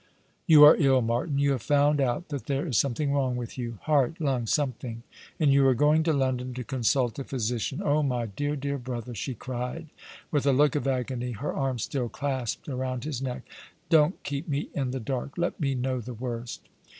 " You are ill, Martin. You have found out that there is something wrong with you — heart, lungs, something — and you are going to London to consult a physician. Oh, my dear, dear brother," she cried, with a look of agony, her arms still clasped about his neck, " don't keep me in the dark ; let me know the worst."